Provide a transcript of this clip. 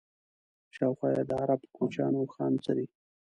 شاوخوا یې د عرب کوچیانو اوښان څري.